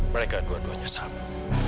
mereka dua duanya sama